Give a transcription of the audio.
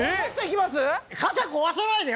肩壊さないでよ